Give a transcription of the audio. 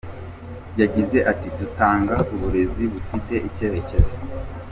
Yagize ati “Dutanga uburezi bufite icyerekezo.